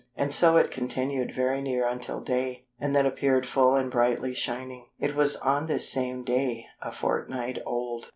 And so it continued very near until day, and then appeared full and brightly shining. It was on this same day a fortnight old.